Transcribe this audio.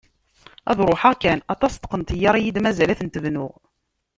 Ad ruḥeɣ kan, aṭas n tqenṭyar i yi-d-mazal ad tent-bnuɣ!